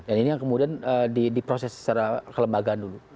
dan ini yang kemudian diproses secara kelembagaan dulu